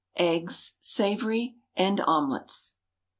EGGS (SAVOURY) AND OMELETS.